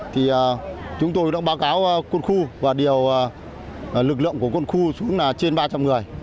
thì chúng tôi đã báo cáo quân khu và điều lực lượng của quân khu xuống là trên ba trăm linh người